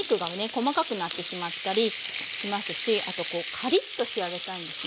細かくなってしまったりしますしあとカリッと仕上げたいんですね